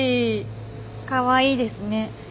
かわいいですね。